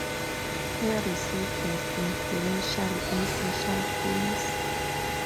Her research was influential in social policy.